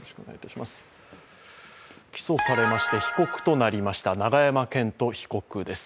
起訴されまして、被告となりました永山絢斗被告です。